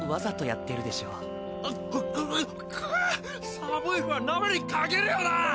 寒い日は鍋に限るよなぁ！